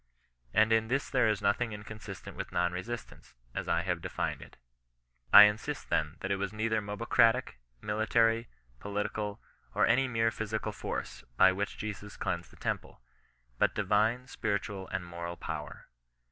And in this there is nothing inconsistent with non resistance, as I have defined it. CHRISTIAN NON RESISTANOE. 59 I insist, then, that it was neither mobocratic, military, political, or any mere physical force, by which Jesus cleansed the temple; but divine, spiritual, and moral power.